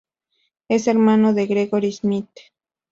Es hermano de Gregory Smith.